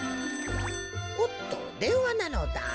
☎おっとでんわなのだ。